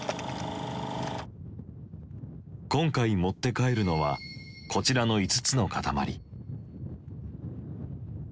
今回持って帰るのはこちらの５つの塊。